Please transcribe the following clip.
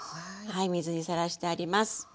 水にさらしてあります。